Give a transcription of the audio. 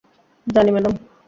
জানি, ম্যাডাম।